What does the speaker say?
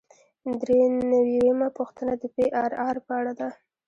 درې نوي یمه پوښتنه د پی آر آر په اړه ده.